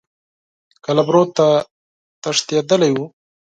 قلمرو ته تښتېدلی وو.